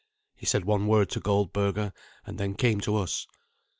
He said one word to Goldberga, and then came to us.